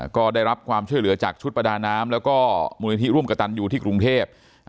ก็ได้รับความช่วยเหลือจากชุดประดาน้ำแล้วก็มูลนิธิร่วมกระตันอยู่ที่กรุงเทพ